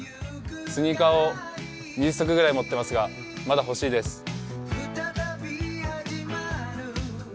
スニーカーを２０足くらい持ってますが、まだ欲しいです。